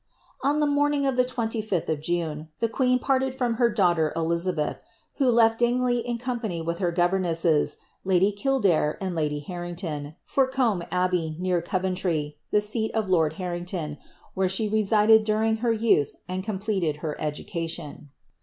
On the morning of the 25th of June, the queen parted from her daugh ter Elizabeth, who lef^ Dingley in company with her governesses, lady Kildare and lady Harrington, for Combe Abbey, near Coventry, the seat of lord Harrington, where she resided during her youth, and completed her education.